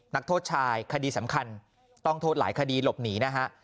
นักโทษชายคดีสำคัญต้องโทษหลายคดีหลบหนีนะฮะ